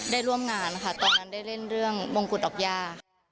ร่วมงานค่ะตอนนั้นได้เล่นเรื่องมงกุฎดอกย่า